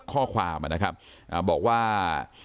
ข้อความนะครับบอกว่า